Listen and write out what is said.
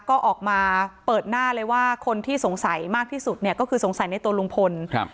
ก็ออกมาเปิดหน้าเลยว่าคนที่สงสัยมากที่สุดเนี่ยก็คือสงสัยในตัวลุงพลครับ